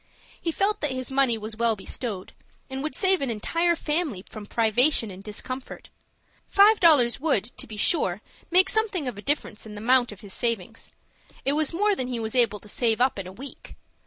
He felt that his money was well bestowed, and would save an entire family from privation and discomfort. Five dollars would, to be sure, make something of a difference in the amount of his savings. It was more than he was able to save up in a week.